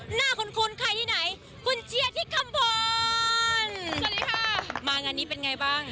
หน้าคุ้นใครที่ไหน